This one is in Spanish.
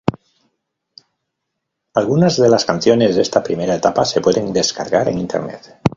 Algunas de las canciones de esta primera etapa se pueden descargar en internet.